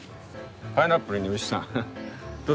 パイナップルに牛さん。